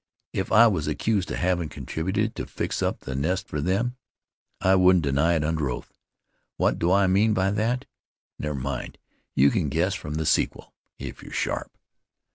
If I was accused of havin' contributed to fix up the nest for them, I wouldn't deny it under oath. What do I mean by that? Never mind. You can guess from the sequel, if you're sharp.